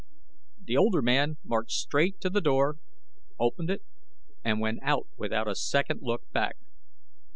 The older man marched straight to the door, opened it and went out without a second look back.